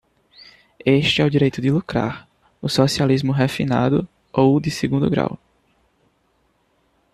Este é o direito de lucrar, o socialismo refinado ou de segundo grau.